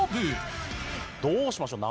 どうしましょう？